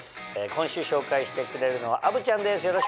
今週紹介してくれるのは虻ちゃんです。